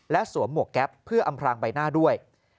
และสวมหมวกแก๊ปเพื่ออำพรางใบหน้าด้วย